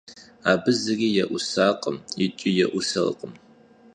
Abı zıri yê'usakhım yiç'i yê'userkhım.